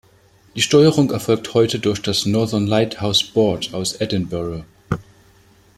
Die Steuerung erfolgt heute durch das Northern Lighthouse Board aus Edinburgh.